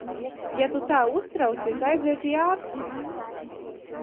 Ja tu tā uztraucies, aizej pie ārsta.